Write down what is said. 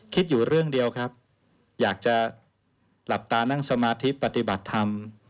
คิดอยู่เรื่องเดียวครับอยากจะหลับตานั่งสมาธิปฏิบัติธรรม